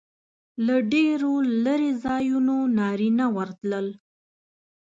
له ډېرو لرې ځایونو نارینه ورتلل.